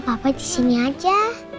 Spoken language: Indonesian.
papa disini aja